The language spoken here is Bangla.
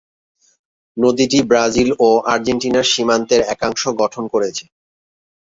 নদীটি ব্রাজিল ও আর্জেন্টিনার সীমান্তের একাংশ গঠন করেছে।